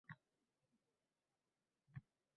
Yo’q, ular meni eshitishmadi.